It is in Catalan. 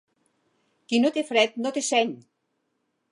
Qui no te fred no té seny!